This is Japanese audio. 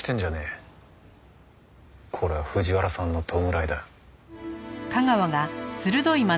これは藤原さんの弔いだ。